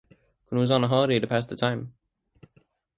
Koon was on a holiday pass at the time.